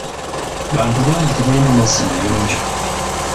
Bantu bangi tebalina mazzi mayonjo.